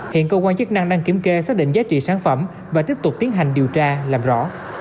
hiện cơ quan chức năng đang kiểm kê xác định giá trị sản phẩm và tiếp tục tiến hành điều tra làm rõ